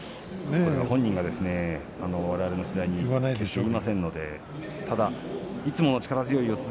ご本人は、われわれの取材に決して言いませんのでただいつもの力強い四つ